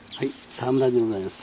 澤村でございます。